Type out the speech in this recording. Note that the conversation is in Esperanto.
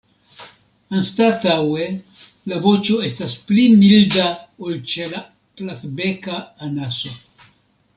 Anstataŭe la voĉo estas pli milda ol ĉe la Platbeka anaso.